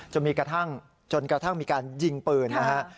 จนกระทั่งมีการยิงปืนนะฮะ